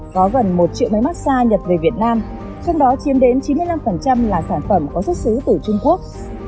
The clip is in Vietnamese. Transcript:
có gần một triệu máy móc xa nhập về việt nam trong đó chiếm đến chín mươi năm là sản phẩm có xuất xứ từ trung quốc